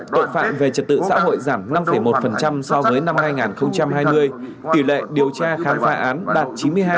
tội phạm về trật tự xã hội giảm năm một so với năm hai nghìn hai mươi tỷ lệ điều tra khám phá án đạt chín mươi hai